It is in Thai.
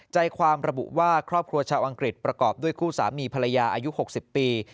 ใจความระบุว่าครอบครัวชาวอังกฤษประกอบด้วยคู่สามีภรรยาอายุ๖๐ปี